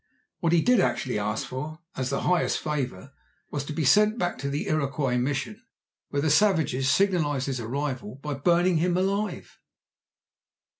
What he did actually ask for, as the highest favour, was to be sent back to the Iroquois Mission, where the savages signalized his arrival by burning him alive.